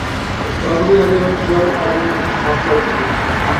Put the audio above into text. গল্পটি হয়তো এভাবে শুরু হবে ফারাজ নামে একজন সাহসী বালক ছিল।